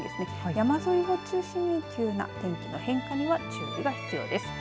山沿いを中心に急な天気の変化には注意が必要です。